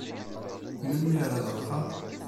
Melmi ara d-ruḥeɣ?